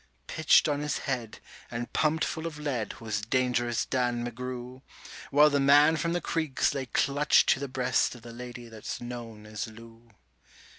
Pitched on his head, and pumped full of lead, was Dangerous Dan McGrew, While the man from the creeks lay clutched to the breast of the lady that's known as Lou.